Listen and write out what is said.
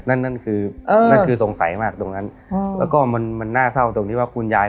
นั่นนั่นคือนั่นคือสงสัยมากตรงนั้นแล้วก็มันมันน่าเศร้าตรงที่ว่าคุณยาย